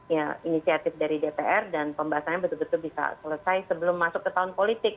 ya inisiatif dari dpr dan pembahasannya betul betul bisa selesai sebelum masuk ke tahun politik